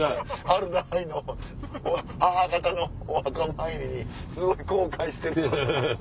はるな愛の母方のお墓参りにすごい後悔してる。